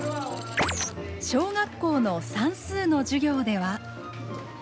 小学校の算数の授業では。